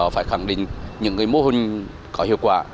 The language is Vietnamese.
phải khẳng định những mô hình có hiệu quả